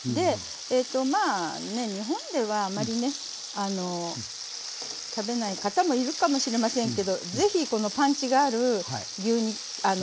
まあ日本ではあまりね食べない方もいるかもしれませんけどぜひこのパンチがある牛肉ごめんなさい。